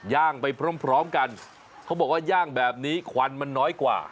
ย่างไปพร้อมพร้อมกันเขาบอกว่าย่างแบบนี้ควันมันน้อยกว่า